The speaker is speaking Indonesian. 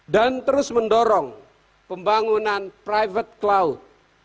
dan terus mendorong pembangunan private cloud